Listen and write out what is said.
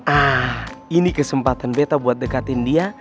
ah ini kesempatan beta buat dekatin dia